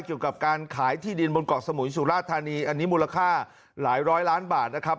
เกี่ยวกับการขายที่ดินบนเกาะสมุยสุราธานีอันนี้มูลค่าหลายร้อยล้านบาทนะครับ